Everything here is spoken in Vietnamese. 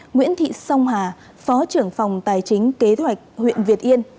nguyễn thị song hà phó trưởng phòng tài chính kế hoạch huyện việt yên